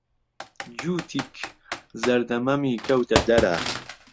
جووتیک زەردە مەمی کەوتەدەرە.